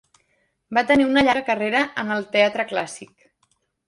Va tenir una llarga carrera en el teatre clàssic.